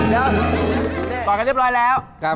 เดี๋ยวต่อยกันเรียบร้อยแล้ว